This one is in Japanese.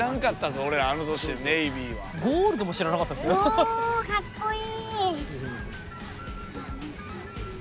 おおかっこいい！